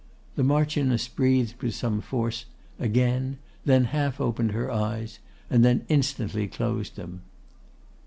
The Marchioness breathed with some force; again; then half opened her eyes, and then instantly closed them.